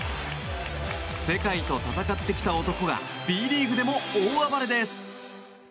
世界と戦ってきた男がＢリーグでも大暴れです。